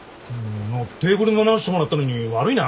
テーブルも直してもらったのに悪いな。